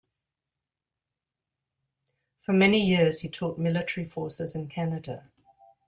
For many years, he taught military forces in Canada.